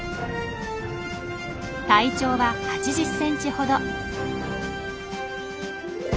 体長は８０センチほど。